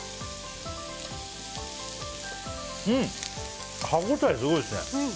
うん、歯応えがすごいですね。